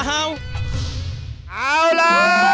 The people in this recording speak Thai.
เอาล่ะ